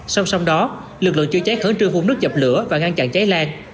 song song đó lực lượng chữa cháy khởi trương vùng nước dập lửa và ngăn chặn cháy lan